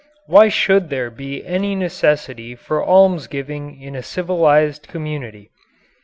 Why should there by any necessity for almsgiving in a civilized community?